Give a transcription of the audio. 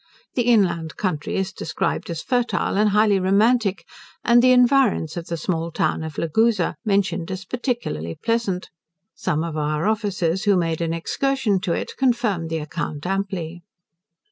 The inland country is described as fertile, and highly romantic; and the environs of the small town of Laguza mentioned as particularly pleasant. Some of our officers who made an excursion to it confirmed the account amply.